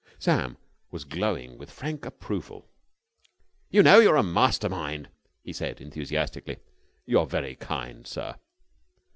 Sam was glowing with frank approval. "You know, you're a master mind!" he said, enthusiastically. "You're very kind, sir!"